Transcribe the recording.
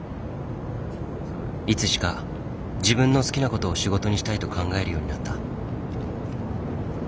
いつしか自分の好きな事を仕事にしたいと考えるようになった。